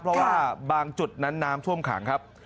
เพราะว่าบางจุดนั้นน้ำท่วมขังครับ